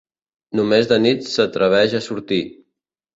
Només de nit s'atreveix a sortir.